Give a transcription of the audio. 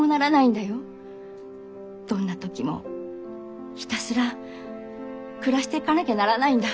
どんな時もひたすら暮らしていかなきゃならないんだ。